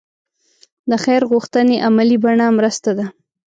د خیر غوښتنې عملي بڼه مرسته ده.